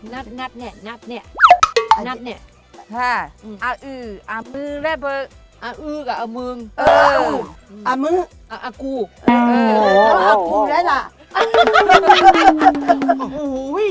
นัดเนี่ยนัดเนี่ย